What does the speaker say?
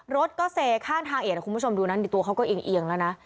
รถก็เซข้างทางเอียดเดี๋ยวคุณผู้ชมดูนั่นนี่ตัวเขาก็อิ่งแล้วนะ